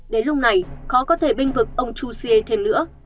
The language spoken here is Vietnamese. đến lúc này khó có thể binh vực ông chusea thêm nữa